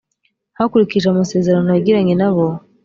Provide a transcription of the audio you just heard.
hakurikijwe amasezerano yagiranye na bo